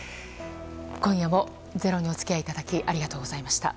今夜も「ｚｅｒｏ」お付き合いいただきありがとうございました。